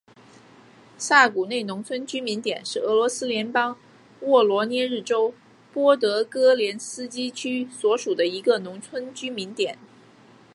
萨古内农村居民点是俄罗斯联邦沃罗涅日州波德戈连斯基区所属的一个农村居民点。